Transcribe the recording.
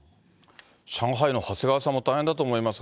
上海の長谷川さんも大変だと思います。